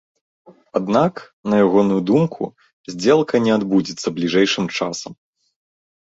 Аднак, на ягоную думку, здзелка не адбудзецца бліжэйшым часам.